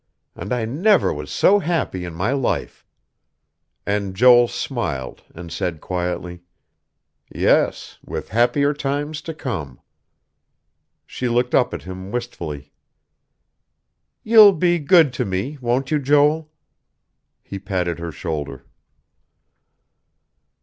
And I never was so happy in my life." And Joel smiled, and said quietly: "Yes with happier times to come." She looked up at him wistfully. "You'll be good to me, won't you, Joel?" He patted her shoulder.